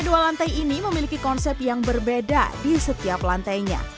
kedua lantai ini memiliki konsep yang berbeda di setiap lantainya